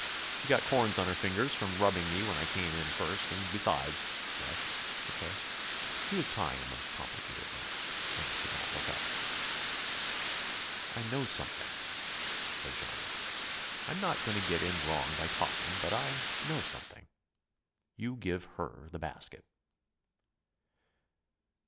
"She got corns on her fingers from rubbing me when I came in first; and, besides " "Yes?" said K. He was tying a most complicated knot, and could not look up. "I know something," said Johnny. "I'm not going to get in wrong by talking, but I know something. You give her the basket."